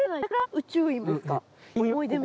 宇宙いも。